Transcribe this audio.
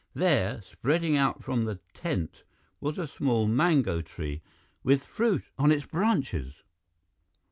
There, spreading out from the tent, was a small mango tree, with fruit on its branches!